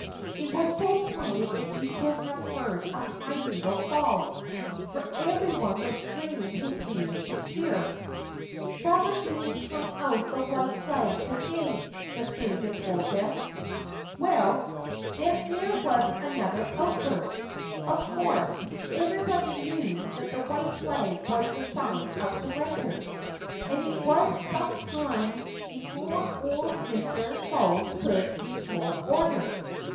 It was so quiet that you could have heard a pine needle fall, for everyone was straining his ears to hear. "Farmer Green hung out the white flag to day!" the stranger told them. Well, then there was another outburst. Of course, everybody knew that the white flag was the sign of surrender. And it was some time before old Mr. Crow could restore order.